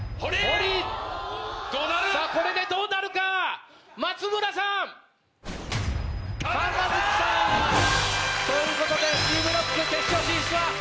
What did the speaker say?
さぁこれでどうなるか松村さん！ということでＣブロック。